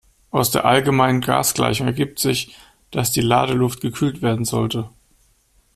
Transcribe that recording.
Aus der allgemeinen Gasgleichung ergibt sich, dass die Ladeluft gekühlt werden sollte.